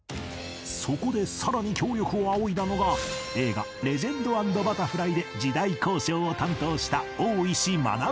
そこでさらに協力を仰いだのが映画『レジェンド＆バタフライ』で時代考証を担当した大石学先生